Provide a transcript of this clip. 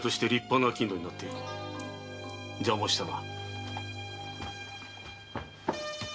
邪魔したな。